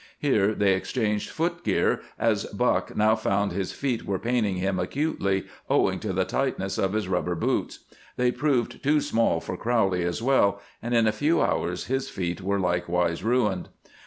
Here they exchanged footgear, as Buck now found his feet were paining him acutely, owing to the tightness of his rubber boots. They proved too small for Crowley as well, and in a few hours his feet were likewise ruined.